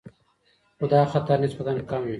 خو دا خطر نسبتاً کم وي.